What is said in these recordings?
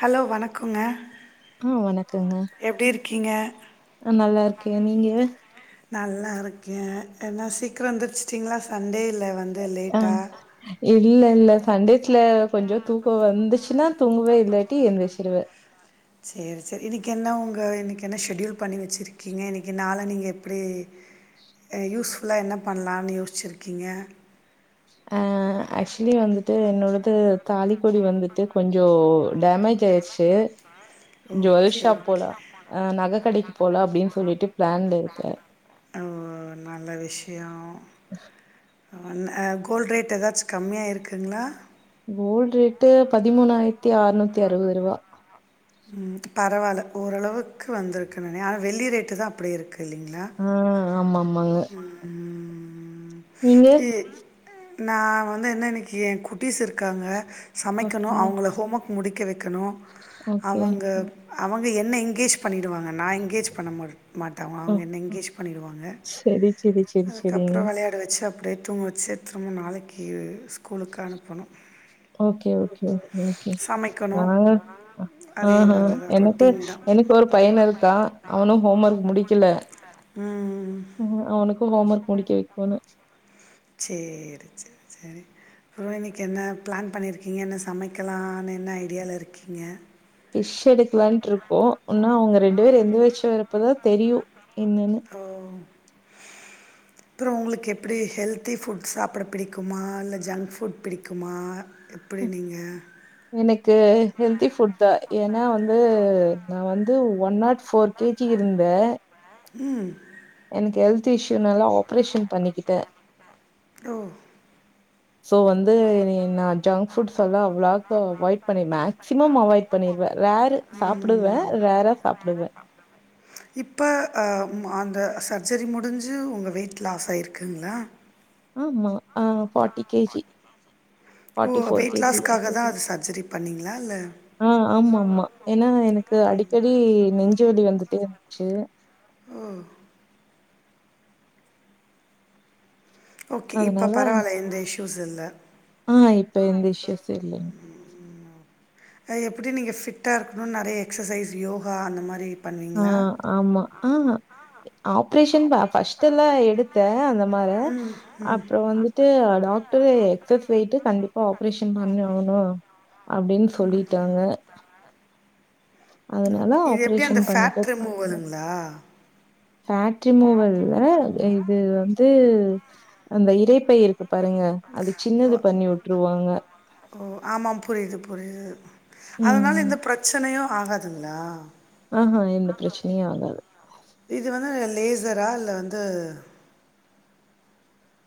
Hello வணக்கோங்க ஆ வணக்கங்க க்கீங்க ஆ நல்லா இருக்கே நீங்க நல்லா இருக்கே என்ன சீக்ர எந்துருச்சுட்டீங்ளா சண்டே அ இல்ல இல்ல சண்டேஸ்ல கொஞ்சோ தூக்கோ வந் மிச்சநாள் தூங்குவே இல்லாட்டி எந்திருச்சுருவே சேரி சேரி இன்னைக்கு என்ன உங்க இன்னைக்கு என்ன ஷெடியூல் பண்ணி வெச்சிருக்கீங்க இன்னைக்கு நாள நீங்க எப்டி அ யூஸ் ஃபுல்லா என்ன பண்லான்னு யோசுச்சிருக்கீங்க ஆ அ ஆக்சுவலி வந்துட்டு என்னோடது தாலிக்கொடி வந்துட்டு கொஞ்ச டேமேஜ் ஆயிருச்சு ஜுவல் ஓகே ஷாப் ஓகே போலா அ நகக்கடைக்கு போலா அப்டின் சொல்லிட்டு பிளான்ல இருக்கே ஓ நல்ல விஷ்ய ஒன் அ கோல்ட் ரேட் எதாச்சு கம்மியாயி இருக்குங்ளா கோல்ட் ரேட்டு பதிமூணாயிர்த்தி ஆற்நூத்தி அறுவது ரூவா ம் பரவால்ல ஓரளவுக்கு வந்திருக்கு தானே ஆனா வெள்ளி ரேட்டு தா அப்டியே இருக்கு இல்லைங்ளா ஆ ஆமாமாங்க. ம் ம் நீங்க நா வந்து என்ன இன்னைக்கு எ குட்டீஸ் இருக்காங்க சமைக்கணு ஓகே, அவ்ங்கள ஹோம் ஒர்க் முடிக்க வெக்கணு ஓகே. அவங்க அவங்க என்ன எங்கேஜ் பண்ணிடுவாங்க நா எங்கேஜ் பண்ண மாரு மாட்டே அவ்ங்க ஓ அவ்ங்க என்ன எங்கேஜ் பண்ணிடுவாங்க சரி, சரி, சரி, சரிங்க. அதுக்கப்ற வெளையாட வச்சு அப்டியே தூங்க வச்சு திரும்ப நாளைக்கு ஸ் கூலுக்கு அனுப்பணு ஓகே ஓகே ஓகே ஓகே சமைக்கணும். நாங்க அ ஆ அதே ஹா வேலை தான் எனக்கு என் ரொட்டீன் தான். எனக்கு ஒரு பையனு இருக்கா அவனு ஹோம் ஒர்க் முடிக்கல ம். ஆ அவனுக் ஹோம் ஒர்க் முடிக்க வெக்கணு சேரி சேர் சேரி ப்ரோ இன்னைக்கு என்ன பிளான் பண்ணிருக்கீங்க என்ன சமைக்கலானு என்ன ஐடியால இருக்கீங்க ஃபிஷ் எடுக்கலான்ட்ருக்கோ ஒன்னா அவ்ங்க ரெண்டு பேரு எந்திரிச்சு வரப்பதா தெரியு என்னன்னு ஓ அப்ற உங்களுக்கு எப்டி ஹெல்த்தி ஃபுட் சாப்ட பிடிக்குமா இல்ல ஜங்க் ஃபுட் பிடிக்குமா எப்டி நீங்க கு ஹெல்தி ஃபுட் தா ஏனா வந்து நா வந்து one nought four K G இருந்தே அ ம் எனக்கு ஹெல்த் இஷ்யூனால ஆப்ரேஷன் பண்ணிக்கிட்டே ஓ சோ வந்து இனி நான் ஜங்க் ஃபுட்ஸெல்லா அவ்ளாக்கு அவாய்ட் பண்ணி மேக்சிமம் அவாய்ட் பண்ணிருவே ரேரு ம். சாப்புடுவே அ ரேரா சாப்டுவே இப்ப அ ம் அந்த சர்ஜரி முடிஞ்சு உங்க வெயிட் லாஸ் ஆய்ருக்குங்ளா ஆமா ஆ ஃபாட்டி கே ஜி ஓ வெயிட் லாஸ்காக தா அது சர்ஜரி பண் ஆ ஆமாம்மா ஏனா எனக்கு அடிக்கடி நெஞ்சுவலி வந்து துச்சு ம் ஓகே இப்ப அதனால பரவால்ல எந்த இஷ்யூஸு இல்ல ஆ இப்ப எந்த இஷ்யூஸு இல்லைங் அ எப்டி நீங்க ஃபிட்டா இருக்கணுனு நெறைய எக்ஸசைஸ் யோகா அந்த மாரி ஆ ஆமா ஆஹா ஆப்ரேஷன் ப ஃபர்ஸ்ட் எல்லா எடுத்தே அந்த மாரி ம் ம் அப்றோ வந்துட்டு டாக்டர் இது எக்ஸஸ் வெயிட்டு கண்டிப்பா ஆப்ரேஷன் பண்ணியாவனு அப்டின் சொல்லிட்டாங்க அதுனால ஆப்ரேஷன் இந்த ஃபேட் பண்ணிட்டேன். ரிமூவருங்ளா ஃபேட் ரிமூவர் இல்ல எ இது வந்து அந்த இறைப்பை இருக்கும் பாருங்க அது ஓ சின்னது பண்ணி விட்டுருவாங்க ஒரே அதுனால ம். எந்த ப்ரச்சனையு ஆகாதுங்ளா ஆ ஹா எந்த ப்ரச்சனையு ஆகாது இது வந்து லேசரா இல்ல வந்து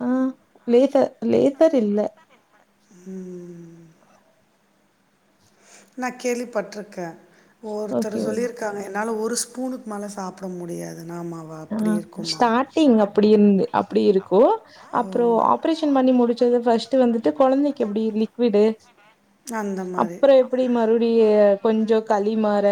ஆ லேசர் லேசர் இல்ல ம் ம் நா கேள்விப்பட்ருக்கே ஓகே. ஒருத்தர் சொல்லியிருக்காங்க என் என்னால ஒரு ஸ்பூனுக்கு மேல சாப்ட முடியாதுங் ஆ ஸ்டார்டிங் அப்டி இர்ந்து அப்டி இருக்கோ அப்றோ ஓ! ஆப்ரேஷன் பண்ணி முடிச்சு ந்தது ஃபர்ஸ்ட் வந்துட்டு கொழந்தைக்கு அப்டி இருந் விடு அந்த மாரி. அப்றோ எப்டி மறுபடியு கொஞ்சோ களி மாற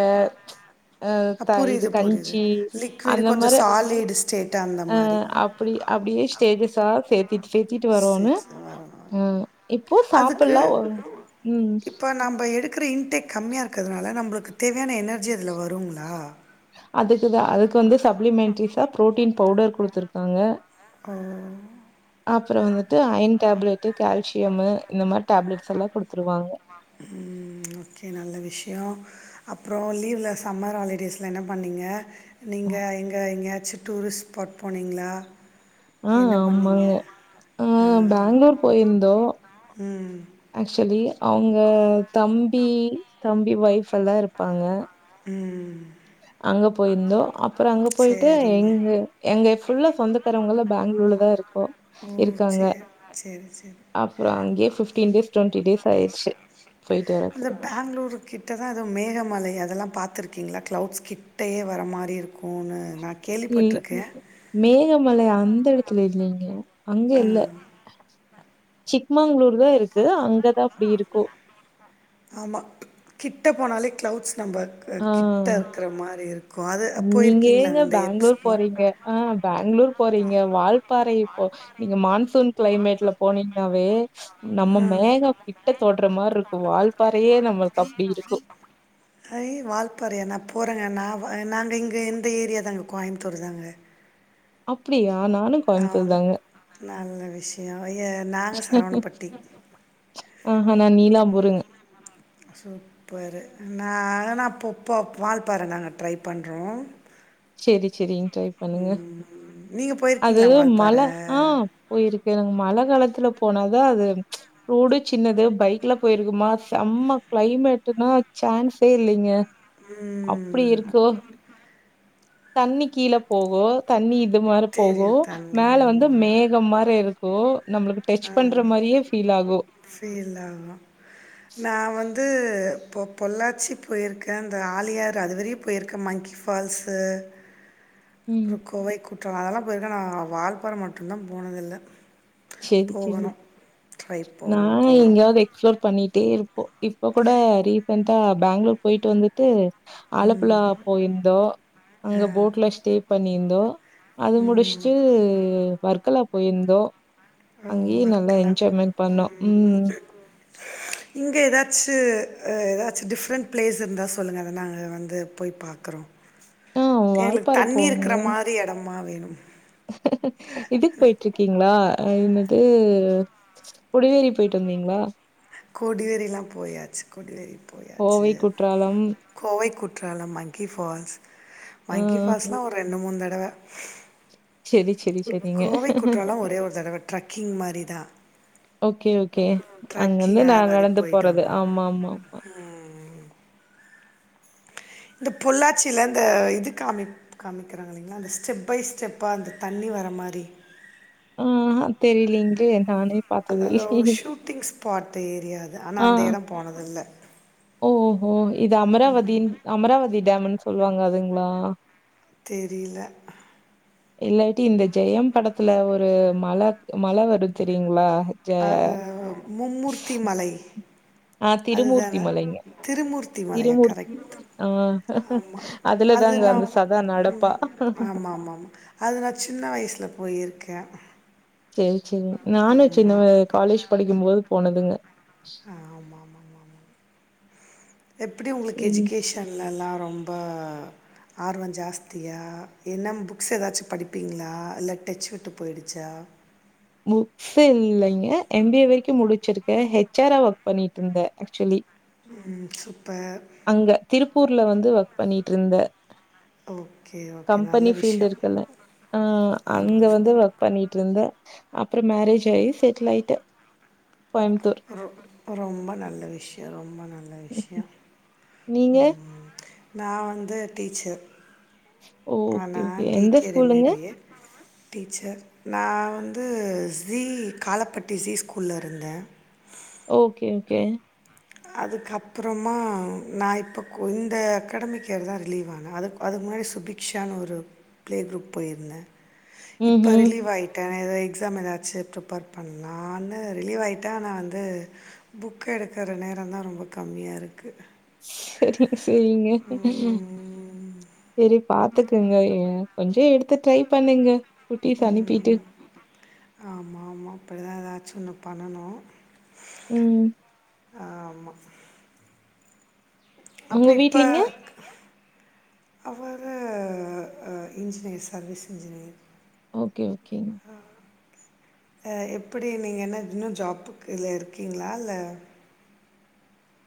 அ த இது புரியுது, புரியுது. ம். கஞ்சி லிக்விடு அந்த மாற கொஞ்சம் சாலிட் ஸ்டேட் அந்த அ மாரி. அப்டி அப்டியே ஸ்டேஜஸா சேத்திட்டு சேத்திட்டு சரி, வரோன்னு சரி. ஆமா. வரேன், வரேன். ம் இப்போ அதுக்கு சாப்புல்லா ஓ இப்ப நம்ப எடுக் க்குற இன்டேக் கம்மியா இருக்குறதுனால நம்பளுக்கு தேவையான எனர்ஜி அதுல வருங்ளா அதுக்கு தா அதுக்கு வந்து சப்ளிமென்ட்ரிஸா புரோட்டீன் பவுடர் குடுத்துருக்காங்க ஓ! அப்றோ வந்துட்டு அயன் டேப்லெட்டு கால்சியமு இந்த மார் ம் ஓகே நல்ல விஷயோ அப்றோ லீவ்ல சம்மர் ஹாலிடேஸில்ல என்ன பண்ணீங்க நீங்க எங்க எங்கயாச்சு டூரிஸ்ட் ஸ்பாட் போனீங்ளா ஆ ஆமாங்க ஆ பெங்களூர் போயிருந்தோ ம் ஆக்சுவலி அவுங்க தம்பி தம்பி வைஃப் எல்லா இருப்பாங்க ம் ம் அங்க போயிருந்தோ அப்றோ அங்க பொயிட்டு சரிங்க எங்கு எங்க ஃபுல்லா சொந்தக்காரவுங்கலா பேங் ளுர்லதா இருக்கோ ஓ இருக்காங்க சரி சரி சரி அப்றோ அங்கே பிப்டீன் டேஸ் டுவெண்டி டேஸ் ஆய்ருச்சு இந்த பெங்களூர் கிட்டதா எதோ மேகமலை அதல்லா பாத்துருக்கீங்ளா க்ளவுட்ஸ் கிட்டயே வர மாரி இருக்குனு நா இல்ல மேகமலை அந்த எடத்துல இல்லேங்க அங்க இல்ல ஆ சிக்மாங்ளூர் அங்கதா இருக்கு அங்கதா அப்டி இருக்கோ க்ளவுட்ஸ் நம்பக்கு கிட்ட இருக்குற மாரி இருக் நீங்க ஏங்க பெங்களூர் போறீங்க ஆ பெங்களூர் போறீங்க வால்பாறை இப்போ நீங்க மான்சூன் க்ளைமேட்ல போனீங்ன்னாவே நம்ம மேகம் கிட்ட தொட்ற மார்ருக்கு வால்பாறையே நம்மளுக்கு அப்டி இருக்கு ஐ வால்பாறையா நா போறேங்க நா நாங்க இங்க இந்த ஏரியா தாங்க கோயம்புத்தூர் தாங்க அப்டியா நானு கோயமுத்தூர் ஆமா. தாங்க நல்ல விஷயோ ஐய நாங்க சரவணம்பட்டி ஆ ஹ நா நீலாம்பூருங்க சூப்பரு நா நா போ போ வால்பாற தாங்க ட்ரை பண்றோ செரி செரிங் ட்ரை பண்ணுங்க நீங்க அது போயிருக்கீங்களா மழ வால்பாறை? ஆ போயிருக்கேங் மழ காலத்துல போனாதா அது ரோடு சின்னது பைக்ல போயிருக்குமா செம்ம க்ளைமேட்டுனா சான்ஸே இல்லீங்க அப்டி ம். இருக்கோ தண்ணி கீழ போகோ தண்ணி இது மாரி போகு தெரியும் தண்ணி. மேல வந்து மேகம் மாரி இருக்கு ஆ ஃபீல் ஆகு நா வந்து இப்போ பொள்ளாச்சி போயிருக்கே இந்த ஆழியார் அதுவரையு போயிருக்கே மங்கி ஃபால்ஸு ம். அப்புறோ கோவை குற்றாலோ அதெல்லா போயிருக்கேன் ஆனா வால்பாற மட்டுந்தா போனதில்ல செரி செரி போகணும். ட்ரை போ நா போறோம். எங்கயாவது எக்ஸ்ப்ளோர் பண்ணிட்டே இருப்போ இப்ப கூட ரீசென்டா பெங்களூர் போயிட்டு வந்துட்டு ஆலப்புழா போயிருந்தோ அங்க அ போட்ல ஸ்டே பண்ணியிருந்தோ அது ம். முடிச்சுட்டு வர்க்கலா போயிருந்தோ ஓ! அங்கேயே நல்லா வர்க்கலா. என்ஜாய்மெண் இங்க ஏதா ச்சு ஆ ஏதாச்சு டிஃப்ரெண்ட் பிளேஸ் இருந்தா சொல்லுங்க அத நாங்க வந்து போய் பாக்குறோ ஆ தே எங்களுக்கு வால்பாற தண்ணி போங்க. இருக்கிற மாரி எடமா வேணு இதுக்கு போயிட்ருக்கீங்களா ஆ என் னது கொடிவேரி போயிட்டு வந்தீங்களா கோடிவேரிலா போயாச்சு கொடிவேரி போயாச்சு கோவை, குற்றாலம். கோவைக் கு ற்றாலம் மங்கி ஃபால்ஸ் ஆ மங்கி ஃபால்ஸ்னா ஒரு ரெண்டு மூணு தடவ சரி, சரி, சரிங்க. கோவை குற்றாலம் ஒரே ஒரு தடவ ட்ரக்கிங் மாரிதா ஓகே ஓகே அங்க வந்து நா அது மாதிரி நடந்து போயிட்டு போறது வந்தோம் ஆமா ஆமா ஆமா இந்த பொள்ளாச்சியில அந்த இது காமி காமிக்கிறாங்க இலீலைங்களா அந்த ஸ்டெப் பை ஸ்டெப்பா அந்த தண்ணி வர மாரி ஆ தெரிலிங்ளே அ ஒரு ஷூட்டிங் ஸ்பாட் ஏரியாது ஆனா ஆ. அந்த எடோ போனது இல்ல ஓஹோ இது அமராவதி அமராவதி டேம்ன்னு சொல்லுவாங்க அதுங்களா தெரியில இல்லாட்டி இந்த ஜெயம் படத்துல ஒரு மல மல வரு தெரியுங்களா ஜ அது மும்மூர்த்தி மலை ஆ அதுதான திருமூர்த்தி மலைங்க. திருமூர்த்தி மலைய திருமூர் கரெக்ட் ஆ ஆமா அதுல அது தாங்க நா அந்த சதா நடப்பா. ஆமா ஆமா ஆம் அது நா சின்ன வயசுல போயிருக்கே செரி செரி நானு சின்ன வ காலேஜ் படிக்கும்போது போனதுங்க ஆ ஆமா ஆமா ஆமா ஆமா எப்டி உங்களுக்கு ம். எஜிகேஷன்லல்லா ரொம்ப ஆர்வம் ஜாஸ்தியா என்ன புக்ஸ் ஏதாச்சு படிப்பீங்களா இல்ல டச் விட்டு போயிருச்சா புக்ஸ் இல்லைங்க எம் பி ஏ வரைக்கு முடிச்சிருக்க ஹெச் ஆர் ஆ ஒர்க் பண்ணிட்டு இருந்தே ஆக்சுவலி ம் சூப்பர் அங்க திருப்பூர்ல வந்து ஒர்க் பண்ணிட்டு இருந்த ஓகே ஓகே நல்ல கம்பெனி ஃபீல்டு விஷயம் இருக்குல்ல ஆ ஆமாம் அங்க ஆமாம் வந்து ஒர்க் பண்ணி ட்டுருந்த அப்புறோ மேரேஜ் ஆயி செட்டில் ஆயிட்ட ரொ ரொம்ப நல்ல விஷியோ ரொம்ப நல்ல விஷியோ நீங்க? ம் நா வந்து டீச்சர் ஓகே நான் ஓகே எந்த டிடிஆர் ஸ்கூலுங்க எம்ஏபிஏ டீச்சர் நா வந்து சி காலப்பட்டி சி ஸ்கூல்ல இருந்த ஓகே ஓகே அதுக்கப்பறமா நா இப்போ கு இந்த அக்கடமிக் யேர் தா ரிலீவ் ஆன அது அது முன்னாடி சுபிக்க்ஷான்னு ஒரு பிளே குரூப் போயிருந்த இப்ப ம்ஹ்ம். ரிலீவ் ஆயிட்ட நா ஏத எக்ஸாம் ஏதாச்சு ப்ரிப்பர் பண்ணலான்னு ரிலீவ் ஆய்ட்ட ஆனவந்து புக் எடுக்கற நேர நேரந்தா ரொம்ப கம்மியா இருக்கு செரி சொரிங்க செரி பாத்துகுங்க எ கொஞ்சொ எடு த்து ட்ரை பண்ணுங்க குட்டீஸ் அனுப்பிட்டு. ம்ம் ஆமா ஆமா அப்படிதா எதாச்சு ஒன்னு பண்ணனு ம் ஆமா அப்பற உங்க இப்ப வீட்லங்க? அவரு அ இன்ஜினியர் சர்வீஸ் இன்ஜினிர் ஓகே ஓகேங் அ எப்புடி நீங்க என்ன இன்னு ஜாப்புக் இல இருக்கீங்ளா இல்ல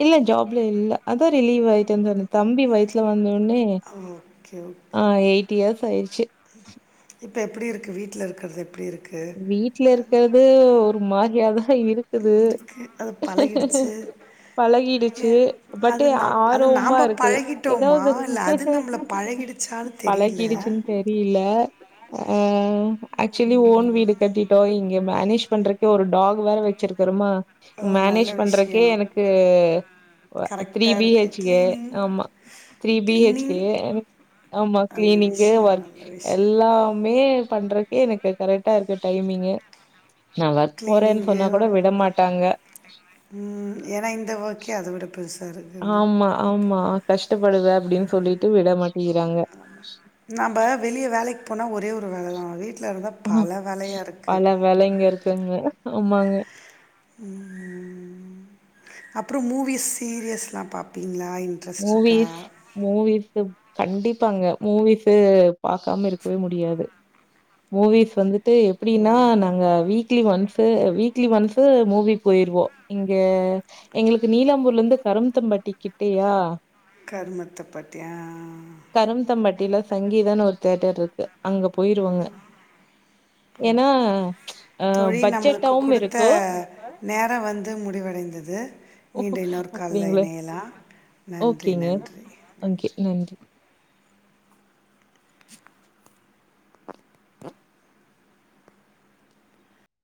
இல்ல ஜாப்ல இல்ல அதா ரிலீவ் ஆய்ட்டன் ஜொன்னு தம்பி வய்த்ல வந்துன் ண்ணே ஓகே ஆ எய்ட் இயர்ஸ் ஆய்ர்ச்சு இப்ப எப்புடி இருக்கு வீட்ல இருக்கற்து எப்டி இருக் வீட்ல இருக்கது ஒரு மாரியாதா கு இருக்கு அது பழகிடுச்சு ஏ, பழகிடுச்சு பட்டு அது அ நம் அது ஆரோம்மா நாம் இருக்குது பழகிட்டோமா எதாவ்து இல்லை அது நம்மளை பழகிடுச்சான்னு தெரியல பழகிடுச்சுன் தெரியில்ல அஅம் ஆக்சுலி ஓன்னு வீடு கட்டிட்டோ இங்கே மேனேஜ் பண்றக்கே ஒரு டாக்வேற வெச்சிர் கறுமா ஓ, நல்ல மேனேஜ் பண்றக்கே விஷயம் எனக்கு வ அத் த்ரீ கரெக்டாக இருக்குது பிஹெச் ஏ க்ளீனிங் ஆமா த்ரீ பிஹெச் கே க்ளீனிங் ஏவு ஆமா நல்ல க்ளீனிங்கே விஷயம் வர் நல்ல விஷயம் எல்லாமே பண்றக் ஏ எனக்கு கரெட்டா இருக்கு டைமிங்கு நா வர்க் போறேன் கிளீனிங்கு சொன்னா கூட விட மாட்டாங்க உம் ஏனா இந்த வோக்கே அத விட பெர்ஸ் ஆமா ஆமா கஷ்டபடுவ அப்டின் சொல்லிட்டு விட மாட் நம்ப வெளிய வேலைக் போனா ஒரே ஒரு வேலதா வீட் அஹா பல வெலைங்க இருக்குங்க ஆமாங்க ம் அப்று மூவிஸ் சீரியஸ்லா பாப்பீங்ளா மூவீஸ் மூவி ஸிப் கண்டிப்பாங்க மூவிஸு பாக்காம இருக்கவே முடியாது மூவிஸ் வந்து ட்டு ஓ எப்டினா நாங்க வீக்லி ஒன்ஸ் ஃபு வீக்லி வன்ந்தஃஔ ஸு மூவி போயிர்வோ இங்கே எங்களுக்கு நீலாம்பூர்லந்து கரம்தம் ப பட்டிக்கிட்டேயா கருமத்த பத்தியா கரும்த்தம்பட்டில சங்கீதான் ஒரு தேட்டர் இர்க்கு அங்க போய்ருவங்க ஓகே தோழி நம்பளுக்கு பட்ஜெட்டாவும் குடுத்த இருக்கு நேரம் வந்து முடிவடைந்தது மீண்டு இன்னொர் கால்ல இணையலா ஓகேங்கே அங்கே நன்றி